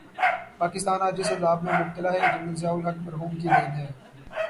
پاکستان آج جس عذاب میں مبتلا ہے، یہ جنرل ضیاء الحق مرحوم کی دین ہے۔